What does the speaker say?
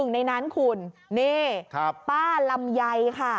๑ในนั้นคุณป้าลำไย